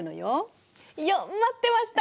よっ待ってました！